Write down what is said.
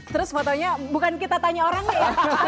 terus fotonya bukan kita tanya orangnya ya